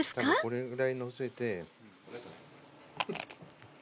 これぐらいのせて。